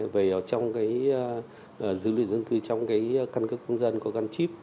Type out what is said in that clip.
về trong cái dữ liệu dân cư trong cái căn cước công dân có gắn chip